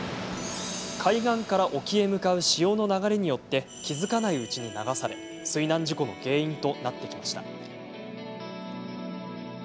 海岸から沖へ向かう潮の流れによって気付かないうちに流され水難事故の原因となってきました。